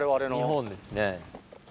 日本ですね。